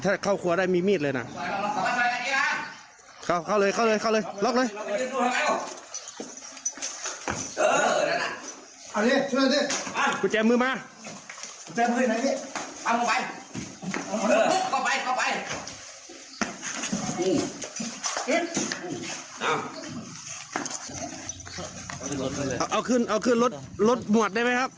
เอาขึ้นรถรถหมวดได้ไหมครับ